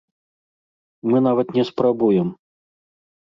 Мы нават не спрабуем.